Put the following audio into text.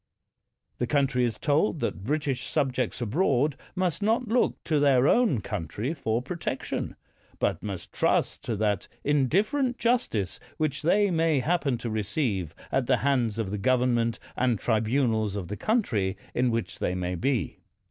The coun try is told that British subjects abroad must not look to their own country for protection, but must trust to that indifferent justice which they may happen to receive at the hands of the gov ernment and tribunals of the country in which they may be.